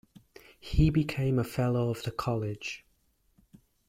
He became a fellow of the College.